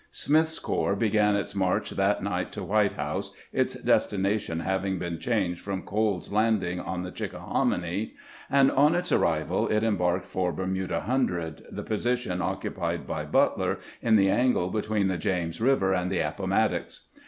Smith's corps began its march that night to White House, its destination having been changed from Coles's Landing on the Chickahominy ; and on its arrival it embarked for Bermuda Hundred, the position occupied by Butler in the angle between the James River and the Appomattox.